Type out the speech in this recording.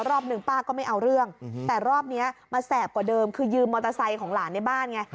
รอบหนึ่งป้าก็ไม่เอาเรื่องแต่รอบนี้มาแสบกว่าเดิมคือยืมมอเตอร์ไซค์ของหลานในบ้านไง